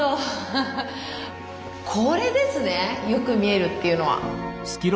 フフッこれですねよく見えるっていうのは。